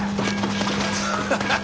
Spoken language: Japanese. ハハハッ！